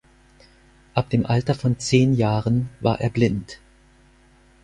Ab dem Alter von zehn Jahren war er blind.